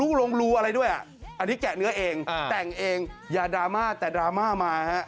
ลงรูอะไรด้วยอ่ะอันนี้แกะเนื้อเองแต่งเองอย่าดราม่าแต่ดราม่ามาฮะ